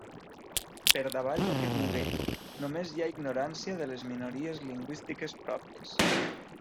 Per davall d'aquest nivell només hi ha ignorància de les minories lingüístiques pròpies.